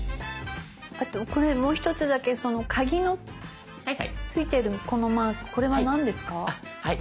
あとこれもう一つだけその鍵のついてるこのマークこれは何ですか？